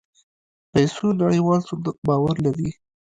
پيسو نړيوال صندوق باور لري.